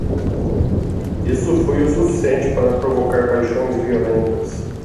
Isso foi o suficiente para provocar paixões violentas.